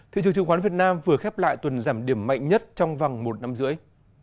thị trường chứng khoán việt nam vừa khép lại tuần giảm điểm mạnh nhất trong vòng một năm rưỡi